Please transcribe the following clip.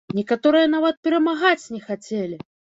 Некаторыя нават перамагаць не хацелі!